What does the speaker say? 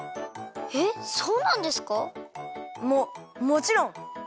えっそうなんですか？ももちろん！